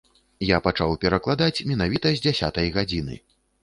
Я пачаў перакладаць менавіта з дзясятай гадзіны.